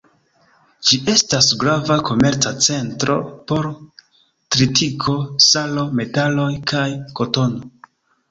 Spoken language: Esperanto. Ĝi estas grava komerca centro por tritiko, salo, metaloj kaj kotono.